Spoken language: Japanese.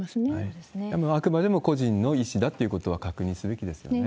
でも、あくまでも個人の意思だということは確認すべきですよね。